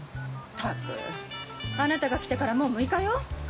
ったくあなたが来てからもう６日よ！